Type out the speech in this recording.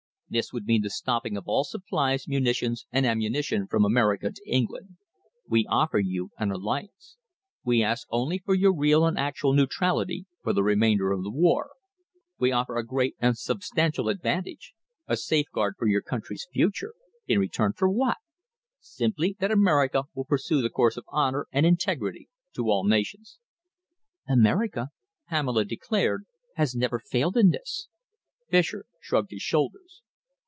"This would mean the stopping of all supplies, munitions and ammunition from America to England. We offer you an alliance. We ask only for your real and actual neutrality for the remainder of the war. We offer a great and substantial advantage, a safeguard for your country's future, in return for what? Simply that America will pursue the course of honour and integrity to all nations." "America," Pamela declared, "has never failed in this." Fischer shrugged his shoulders.